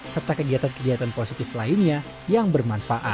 serta kegiatan kegiatan positif lainnya yang bermanfaat